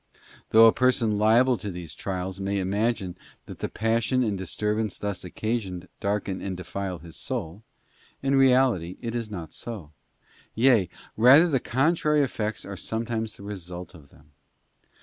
Though a person liable to these trials may imagine that the passion and disturbance thus occasioned darken and defile his soul, in reality it is not so—yea, rather the contrary effects are sometimes the result of them.